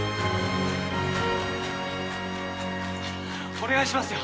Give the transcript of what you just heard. お願いしますよ。